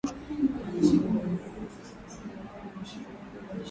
itakapokamilika kinyume na hapo kama itaelekezwa vinginevyo